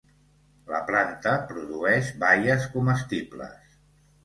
La planta produeix baies comestibles.